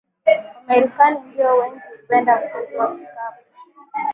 Wamarekani ndio wengi hupenda mchezo wa kikapu